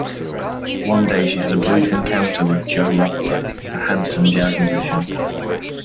One day, she has a brief encounter with Joe Ruffalo, a handsome jazz musician.